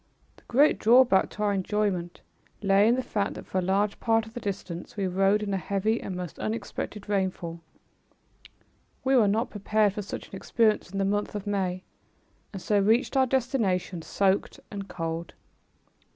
The great drawback to our enjoyment lay in the fact that for a large part of the distance we rode in a heavy and most unexpected rainfall. We were not prepared for such an experience in the month of May, and so reached our destination soaked and cold.